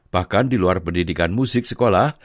bahkan di luar pendidikan musik sekolah